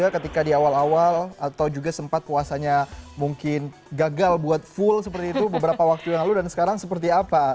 ketika di awal awal atau juga sempat puasanya mungkin gagal buat full seperti itu beberapa waktu yang lalu dan sekarang seperti apa